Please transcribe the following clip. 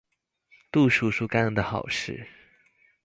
杜叔叔干的好事。